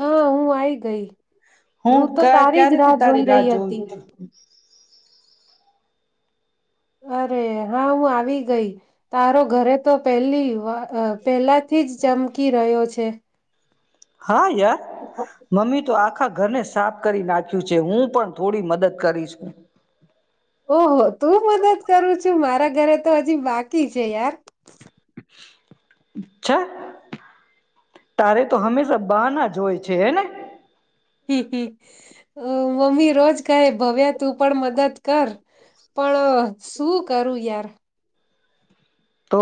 હા હું આઈ ગઈ. હું તો કા તારી જ રાહ ક્યારેથી જોઈ તારી રહી જોઉં હતી. છું. અરે હા હું આવી ગઈ. તારો ઘરે તો પહેલી અ અ પહેલા થી જ ચમકી રહ્યો છે. હા યાર મમ્મી તો આ આખા ઘરને સાફ કરી નાખ્યું છે હું પણ થોડી મદદ કરીસ. ઓહ તું મદદ કરું છું મારા ઘરે તો હજી બાક ઠીક છે યાર. છ તારે તો હંમેશા બહના જો હોય છે હેને મમ્મી રોજ કાય ભવ્યા તું પણ મદદ કર પણ શું કરું યાર તો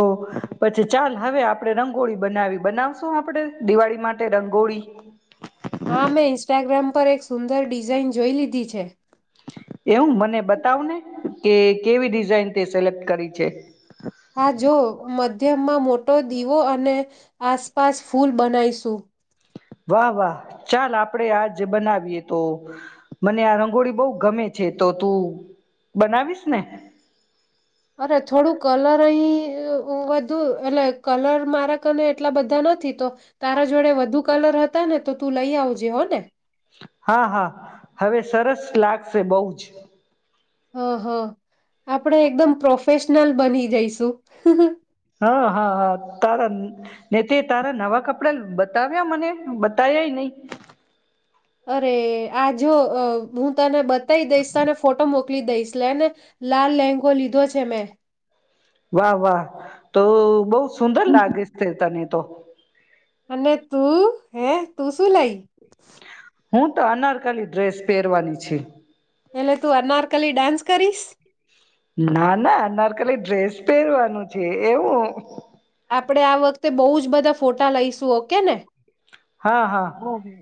પછી ચાલ હવે આપણેે રંગોળી બનાવી બનાવશું આપડે દિવાળી માટે રંગોળી હા મેં ઈન્સ્ટાગ્રામ પર એક સુંદર ડિઝાઇન જોઈ લીધી છે. એવુ મને બતાવ ને કે કેવી ડિઝાઇન તે સિલેક્ટ કરી છે. હા જો મધ્યમમાં મોટો દીવો અને આસપાસ ફૂલ બનાઈશું. વાહ વાહ ચાલ આપડે આજ બનાવીએ તો મને આ રંગોળી બો ગમે છે તો તું બનાવીશ ને અરે થોડું કલર અ ઈ વધુ એટલે કલર મારા કને એટલા બધા નથી તો તારા જોડે વધુ કલર હતા ને તો તું લઈ આવજે હ ને હા હા હવે સરસ લાગશે બવ જ હા હા આપણે એકદમ પ્રોફેશ નલ બની જઈશું. હા હા હા તારા ને તે તારા નવા કપડા બતાવ્યા મને બતાવ્યાય નહી. અરે આ જો અ હું તને બ દઈસ તને ફોટો મોક દઈસલે લાલ લેંગો લીધો છે મેં. વાહ વાહ તો બઉ સુંદર લાગી છે તને. તો. અને તું હે તું શું લઈ? હું તો અનારકાલી ડ્રેસ પહેરવાની છે. એટલે તું અનારકલી ડાન્સ કરીશ? ના ના નર્કલી ડ્રેસ પહેરવાનું છે એવું. આપડે આ વખતે બહુ જ બધા ફોટા લઈશું ઓકે ને? હા હા. હમ હમ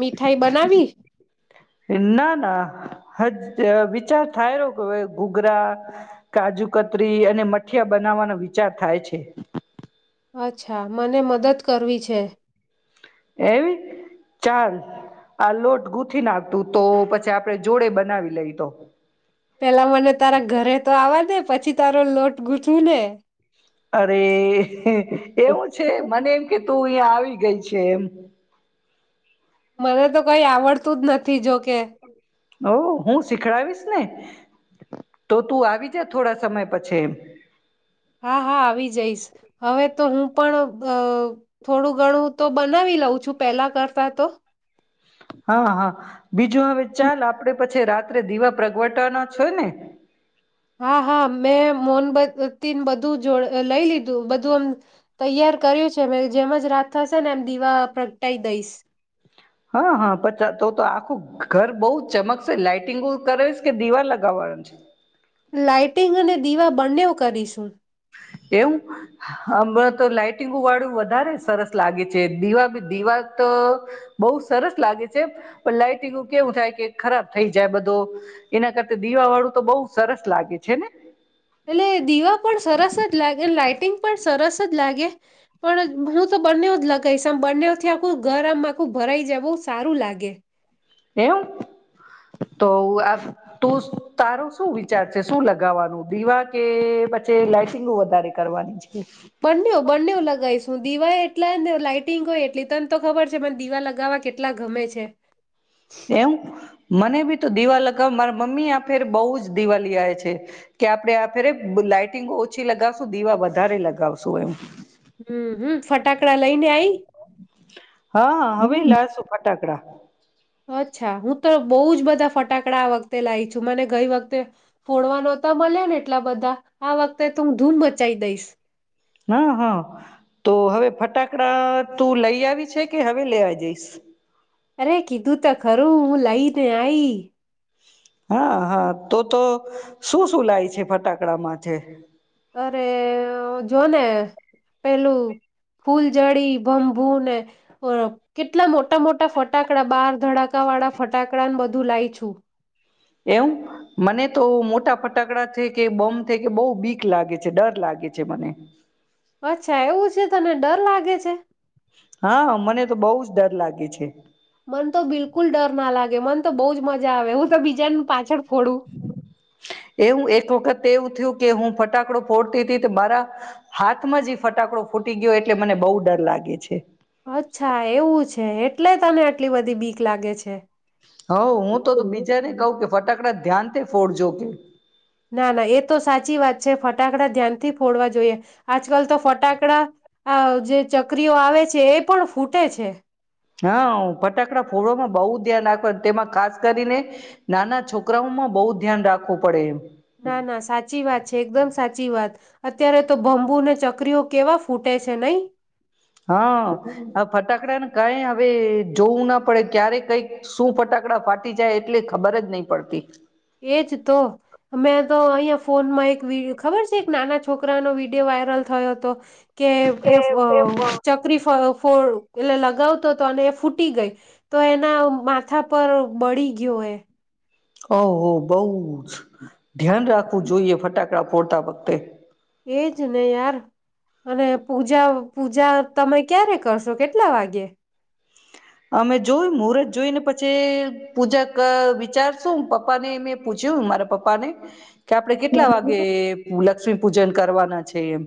મીઠાઈ બનાવી? ના ના હજ વિચાર થાય રહ્યો કે ગૂઘરા, કાજુ કતરી અને મઠીિયા બનાવવાનો વિચાર થાય છે. અચ્છા મને મદદ કરવી છે. એમ ચાલ આ લોટ ગૂથી નાખતું તો પછી આપડે જોડે બનાવી લઈ તો. પેલા મને તારા ઘરે તો આવવા દે પછી તારો લોટ ગૂંથીને. અરે એવું છે મને એમ કે તું અહીં આવી ગઈ છે એમ. મને તો કઈ આવડતું જ નથી જોકે. ઓ હું શીખડાવીશ ને તો તું આવી જ થોડા સમય પછી એમ. હા હા આવી જઈશ. હવે તો હું પણ અ થોડું ગણું તો બનાવી લઉં છું, પેલા કરતા તો. હા, હા. બીજું હવે ચાલ આપડે પછી રાત્રે દીવા પ્રગવટાવાના છે ને? હા, હા. મેં મોનબત્તીને બધું જોડ લઈ લીધું બધું એમ તૈયાર કર્યું છે મે, જેમ જ રાત થશે ને એમ દીવા પ્રગટાઈ દઈશ. હા, હા પચા તો-તો આખું ઘર બહુ ચમકશે. લાઈટિંગું કરશ કે દીવા લગાવવાનું છે? લાઈટિંગ અને દીવા બંનેવ કરીશું. એવું. હમણા તો લાઈટિંગુ વાળું વધારે સરસ લાગે છે. દીવા બી દીવા તો બહુ સરસ લાગે છે, પણ લાઈટિંગુ કેવું થાય કે ખરાબ થઈ જાય બધો, એના કરતા દીવા વાળું તો બહુ સરસ લાગે છે ને. એટલે દીવા પણ સરસ જ લાગે, લાઈટિંગ પણ સરસ જ લાગે, પણ હું તો બંનેવ જ લગાઈશ, આમ બંનેવથી આખું ઘર આમ આખું ભરાઈ જાય બહુ સારું લાગે. એમ. તો આ તું તારો શું વિચાર છે, શું લગાવાનું? દીવા કે પછી લાઈટિંગું વધારે કરવાની છે? બંનેવ-બંનેવ લગાઈશ. દીવાય એટલા ને લાઈટિંગોય એટલી. તન તો ખબર છે મન દીવા લગાવવા કેટલા ગમે છે. એમ. મને બી તો દીવા લગાવ મારા મમ્મી આ ફેર બઉ જ દિવા લેઆય છે, કે આપડે આ ફેરે લાઈટિંગો ઓછી લગાવશું, દીવા વધારે લગાવશું એમ. હમ હમ ફટાકડા લઈને આઈ હા હવે લાશું ફટાકડા. [inaudible] અચ્છા. હું તો બહુ જ બધા ફટાકડા આ વખતે લાઈ છું. મને ગઈ વખતે ફોડવા નોતા મલ્યા ને. એટલા બધા, આ વખતે તો હું ધૂમ મચાઈ દઈશ. હા-હા તો હવે ફટાકડા તું લઈ આવી છે કે હવે લેવા જઈશ. અરે કીધું તો ખરું હું લઈ ને આઈ. હા-હા તો-તો શું-શું લાય છે ફટાકડામાંથે જો ને પેલું ફૂલ જડી ભમભુ ને કેટલા મોટા-મોટા ફટાકડા બાર ધડાકા વાળા ફટાકડાને બધું લાય છું. એમ મને તો મોટા ફટાકડા થ કે બોમ થ કે બહુ બીક લાગે છે ડર લાગે છે મને. અચ્છા એવું છે તને ડર લાગે છે. હા મને તો બહુ જ ડર લાગે છે. મન તો બિલકુલ ડર ના લાગે મન તો બઉ જ મજા આવે હું તો બીજાનું પાછળ ફોડું એવું એક વખત એવું થયું કે હું ફટાકડો ફોડતી હતી તો મારા હાથમાં જ ફટાકડો ફૂટી ગયો એટલે મને બહુ ડર લાગે છે. અચ્છા એવું છે. એટલે તને એટલી બધી બીક લાગે છે. હ હું તો બીજાને કવ કે ફટાકડા ધ્યાન તે ફોડ જો કે ના-ના એ તો સાચી વાત છે ફટાકડા ધ્યાનથી ફોડવા જોઈએ આજ આજકાલ તો ફટાકડા જે ચકરીઓ આવે છે એ પણ ફૂ ટે છે. હા ફટાકડા ફોડવામાં બહુ ધ્યાન રાખવા તેમાં ખાસ કરીને નાના છોકરાઓમાં બહુ ધ્યાન રાખવું પડે એમ ના-ના સાચી વાત છે એકદમ સાચી વાત અત્યારે તો બમ્બુને ચકરીઓ કેવા ફૂટે છે નહી. હા ફટાકડા ને કઈ હવે જોવું ના પડે ક્યારે કઈક શું ફટાકડા ફાટી જાય એટલે ખબર જ નહી પડતી. એજ તો અમે તો અહીયા ફોનમાં એક વી ખબર છે એક નાના છોકરાનો વિડિયો વાયરલ થયો હતો. કે એ ફો ચકરી ફ ફો એટલે લગાવતો હતો અને એ ફૂટી ગઈ. તો એના માથા પર બળી ગીયું એને ઓ હો બહુ જ. ધ્યાન રાખવું જોઈએ ફટાક કડા ફોડતા વખતે. એજ ને યાર અને પૂજા પૂજા તમે ક્યારે કરશો કેટલા વાગ્યે? અમે જોયું મુહૂર્ત જોઈને પછી પૂજા ક વિચારશું પપ્પા ને મેં પૂછ્યું મારા પપ્પા ને કે આપડે કેટલા હ વાગે મુ લક્ષ્મી પૂજન કરવાના છે એમ.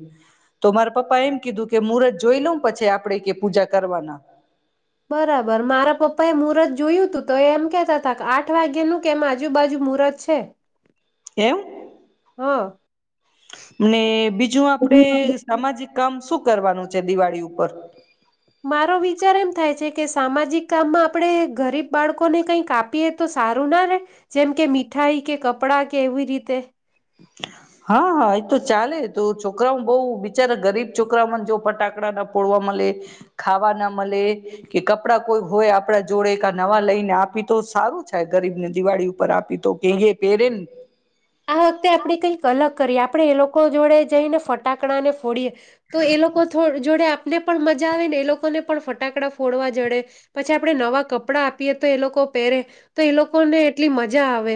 તો મારા પપ્પા એમ કીધું કે મુહૂર્ત જોઈ લઉ પછી આપણેે કે પૂજા કરવાના. બરાબર, મારા પપ્પા એ મુહૂર્ત જોયૂ તું તો એ એમ કેતા હતા આઠ વાગ્યાનું કે એમ આજુબાજુ મુહૂર્ત છે. એમ? હા. ને બીજું આપડે સામાજિક કામ શું કરવાનું છે દિવાળી ઉપર? મારો વિચાર એમ થાય છે કે સામાજિક કામમાં આપણે ગરીબ બાળકોને કઈક આપીએ તો સારું ના રે? જેમ કે મીઠાઈ કે કપ પડા કે એવી રીતે. હા એ તો ચાલે તો છોકરામાં બવ બિચારા ગરીબ છોકરાઓમાં જો ફટાકડા ના ફોડવા મળે, ખાવા ના મળે કે કપડા કોઈ હોય આપડા જોડે કા નવા લઈને આપી તો સારું થાય ગરીબને દિવાળી ઉપર આપી તો કે એ પેરે. આ વખતે આપડી કઈક અલગ કરીએ આપણે એ લોકો જોડે જઈને ફટાકડા ને ફોડીએ. તો એ લોકો જોડે ને પણ મજા આવે ને એ લોકોને પણ ફટાકડા ફોડવા જડે. પછી આપડે નવા કપડા આપીએ તો એ લોકો પહેરે તો એ લોકોને એટલી મજા આવે.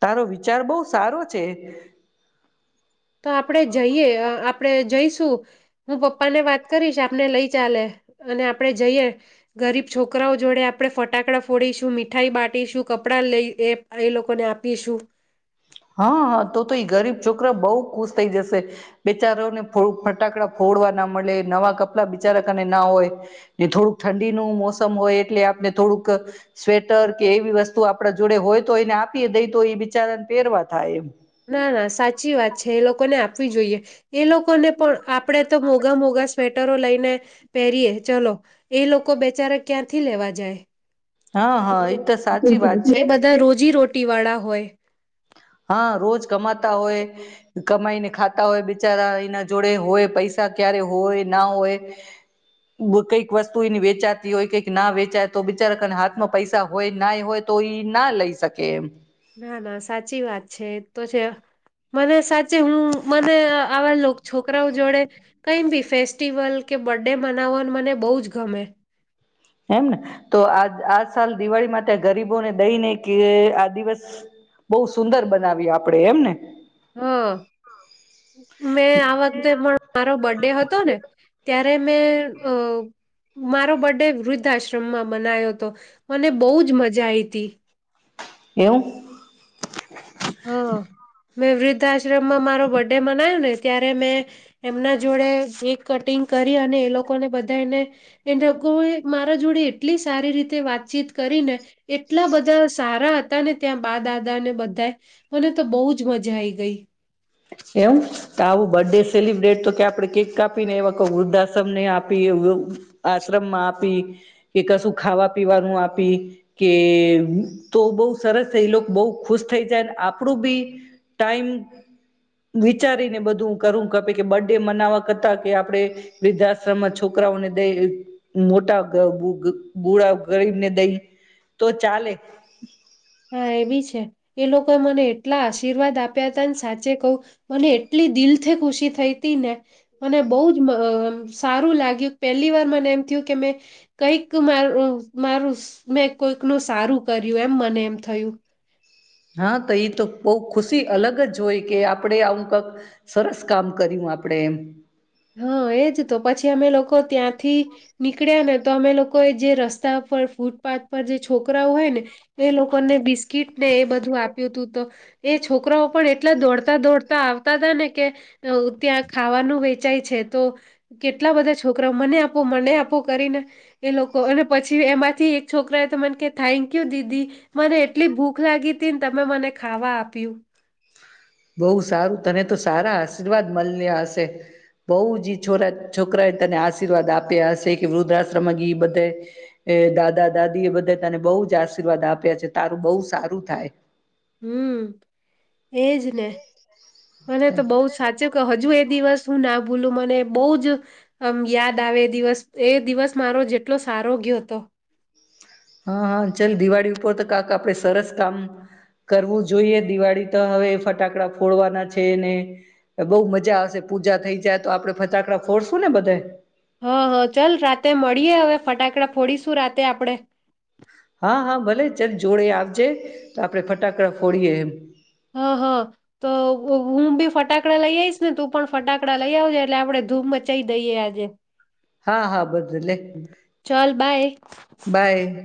તારો વિચાર બહુ સારો છે. તો આપણે જઈએ અ આ આપડે જઈશું હું પપ્પા ને વાત કરીશ આપને લઈ ચાલે અને આપણેે જઈએ ગરીબ છોકરાઓ જોડે આપણે ફટાકડા ફોડીશું, મીઠાઈ બાટીશું, કપડા લઈ એ એ લોકોને આપીશું. હા આ તો તો એ ગરીબ છોકરા બઉ ખુશ થઈ જશે બેચારોને ફો ફટાકડા ફોડવા ના મલે નવા કપડા બિચારા કને ના હોય થોડુંક ઠંડીનું મોસમ હોય એટલે આપને થોડુંક સ્વેટર કે એવી વસ્તુ આપણા જોડે હોય તો એને આપીએ દઈ તો એ બિચારાને પહેરવા થાય એમ. ના ના સાચી વાત છે એ લોકોને આપવી જોઈએ. એ લોકોને પણ આપડે તો મોઘા મોગા સ્વેટરો લઈને પહેરીએ ચલો એ લોકો બેચારે ક્યારથી લેવા જાય. હા હા એ તો સાચી વાત એ છે બધા રોજી રોટ ટી વાળા હોય.. હા, રોજ કમાતા હોય. અ કમાઈને ખાતા હોય બિચારા એના જોડે હોય પૈસા ક્યારે હોય ના હોય. કઈક વસ્તુ એની વેચાતી હોય, કંઈક ના વેચાય તો બિચારાના હાથમાં પૈસા હોય ના હોય, તો એઈ ના લઈ શકે એમ. ના ના, સાચી વાત છે. એ તો છે મને સાચે હું મને આવા લોક છોકરાઓ જોડે કઈ બી ફેસ્ટિવલ કે બરડે મનાવવાનું મને બહુ જ ગમે. એમને તો આ આ સાલ દિવાળી માટે ગરીબોને દઈને કે, આ દિવસ બહુ સુંદર બનાવી આપડે, એમ ને? હ, મેં આ વખતે પણ મારો બર્થડે હતો ને ત્યારે મેં અહ મારો બર્થડે વૃદ્ધાશ્ર મ માં બનાયો હતો. મને બહુ જ મજા આઈ તી. એવું? હ, મેં વૃદ્ધઆશ્રમમાં મારો બર્થડે મનાવ્યો ને. ત્યારે મેં એમના જોડે કેક કટિંગ કરી. અને એ લોકોને બધાને એ લોકો મારા જોડે એટલી સારી રીતે વાત ચીત કરીને એટલા બધા સારા તા ને ત્યાં બા- દાદા ને બધાય. મને તો બહુ જ મજા આઈ ગઈ. [inaudible] એમ. તો આવું બર્થડે સેલિબ્રેટ તો કે આપણે કેક કાપીને એવા કો વૃદ્ધાશ્રમને આપી, વૃ આશ્રમમાં આપી, કે કશું ખાવા- પીવાનું આપી, કે તો બહું સરસ એ લોક બહું ખુશ થઈ જાય અને આપણું બી ટાઈમ વિચારીને બધું હું કરું [unintelligible] બર્થડે મનાવવા કરતા કે આપણેે વૃદ્ધાશ્રમમાં છોકરાઓને દઈ, મોટા બ ગ બુળા ગરીબને દઈ, તો ચાલે. હા, એ બી છે. એ લોકોએ મને એટલા આશીર્વાદ આપ્યા તા ને સાચે કહું, મને એટલી દિલ થી ખુશી થઈ તી ને, મને બહુ જ અહ સારું લાગ્યું. પહેલી વાર મને એમ થયું કે મેં કંઈક માર ઉ મારું મેં કોઈકનું સારું કર્યું એમ મને એમ થયું. હા તો ઈ તો બહું ખુશી અલગ જ હોય કે આપણેે આવું કાક સરસ કામ કર્યું આપણેે એમ હા, એજ તો. પછી અમે લોકો ત્યાંથી નીકળ્યા ને તો અમે લોકોએ જે રસ્તા પર, ફૂટપાથ પર જે છોકરાઓ હોય ને, એ લોકોને બિસ્કીટ ને એ બધું આપ્યું તું, તો એ છ છોકરાઓ પણ એટલા દોડતા-દોડતા આવતા તા ને કે અહ ત્યાં ખાવાનું હોય ચાય છે તો કેટલા બધા છોકરાઓ મને આમ આપો મને આપો કરીને એ લોકો, અને પછી એમાં થી એક છોકરા એ તો મન કે, થેન્ક યુ દીદી. મને એટલી ભૂખ લાગી તમે મને ખાવા આપ્યું. બહુ સારું, તને તો સારા આશીર્વાદ મળ્યા હશે. બહુ જ છોરા છોકરા એ તને આશીર્વાદ આપ્યા હશે કે વૃદ્ધાશ્રમા બધે દાદા- દાદી એ બધે તને બહુ જ આશીર્વાદ આપ્યા છે તારું બહુ સારું થાય. હમ્મ એજ ને મને તો બહુ સાચું કે હજુ એ દિવસ શું ના ભૂલું મને બહુ જ યાદ આવે એ દિવસ. એ દિવસ મારો જેટલો સારો ગયો હતો. હા હા ચાલ દિવાળી ઉપર તો કાક આપડે સરસ કામ કરવું જોઈએ. દિવાળી તો હવે ફટાકડા ફોડવાના છે ને બહુ મજા આવશે પૂજા થઈ જાય તો આપડણે ફટાકડા ફોડશું ને બધા. હા હા ચાલ રાતે મળીએે હવે ફટાકડા ફોડીશું રાતે આપડે. હા હા ભલે ચલ જોડે આવજે. તો આપડે ફટાકડા ફોડીએ એમ. હા હા તો હું બી ફટાકડા લઈ આવીઈશ ને તું પણ ફટાકડા લઈ આવજે એટલે આપડે ધૂમ મચાઈ દઈએ આજે. હા હા ભદલે ચલ બાય બાય.